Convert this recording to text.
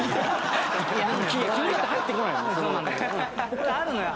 これあるのよ。